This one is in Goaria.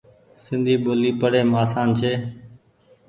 سندي ٻولي پڙيم آسان ڇي ۔